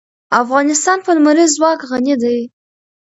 افغانستان په لمریز ځواک غني دی.